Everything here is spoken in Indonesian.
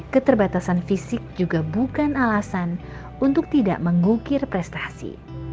keterbatasan fisik juga bukan alasan untuk tidak mengukir prestasi